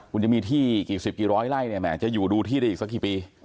คุณจะมีที่กี่สิบกี่ร้อยไล่เนี่ยแหมจะอยู่ดูที่ได้อีกสักกี่ปี